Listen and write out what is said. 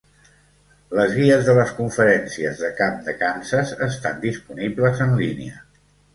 Les guies de les Conferències de camp de Kansas estan disponibles en línia.